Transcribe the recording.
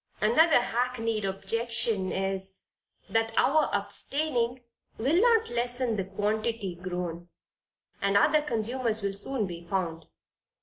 Another hackneyed objection is, that our abstaining will not lessen the quantity grown, and other consumers will soon be found.